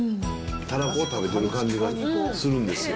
たらこを食べてる感じがするんですよ。